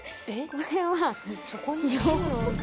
これは塩。